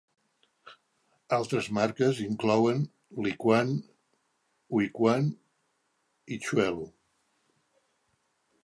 Altres marques inclouen Liquan, Huiquan i Xuelu.